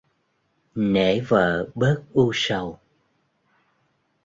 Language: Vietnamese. Nể vợ bớt u sầu